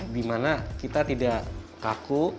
di mana kita tidak kaku